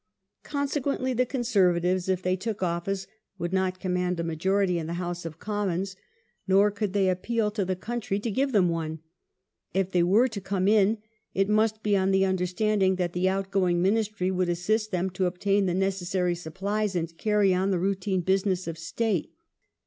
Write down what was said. Consequently, the ^ See Motley, Hi. 185. « Ibid. 186. 610 THE GLADSTONE ADMINISTRATION [1880 Conservatives, if they took office, would not command a majority in the House of Commons, nor could they appeal to the country to give them one. If they were to come in, it must be on the understanding that the outgoing Ministry would assist them to obtain the necessary supplies and to carry on the routine business of State.